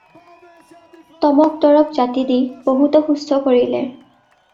টমক দৰব জাতি দি বহুতো সুস্থ কৰিলে।